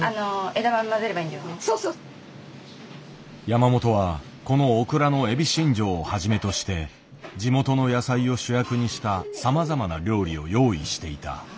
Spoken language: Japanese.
山本はこのオクラのエビしんじょうをはじめとして地元の野菜を主役にしたさまざまな料理を用意していた。